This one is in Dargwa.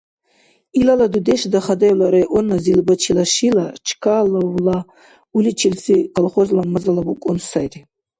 Илала дудеш Дахадаевла районна Зилбачила шила Чкаловла уличилси колхозла мазала букӀун сайри.